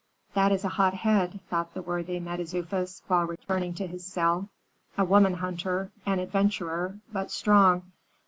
"That is a hot head," thought the worthy Mentezufis, while returning to his cell, "a woman hunter, an adventurer, but strong.